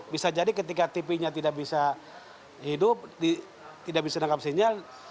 bisa jadi ketika tv nya tidak bisa hidup tidak bisa menangkap sinyal